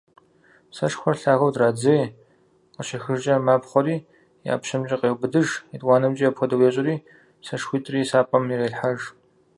Сэшхуэр лъагэу дредзей, къыщехыжкӀэ мапхъуэри, и ӀэпщӀэмкӀэ къеубыдыж, етӀуанэмкӀи апхуэдэу ещӀри, сэшхуитӀри сампӀэм ирелъхьэж.